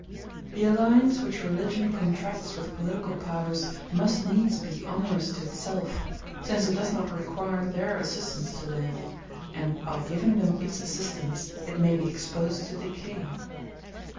The alliance which religion contracts with political powers must needs be onerous to itself; since it does not require their assistance to live, and by giving them its assistance it may be exposed to decay.